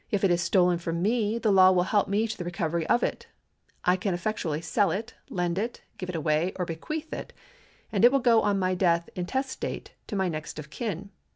If it is stolen from me, the law will help me to the recovery of it. I can effectually sell it, lend it, give it away, or bequeath it, and it will go on my death intestate to my next of kin.